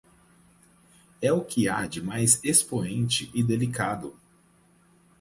É o que há de mais expoente e delicado